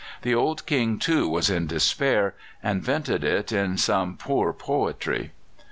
The old King, too, was in despair, and vented it in some poor poetry.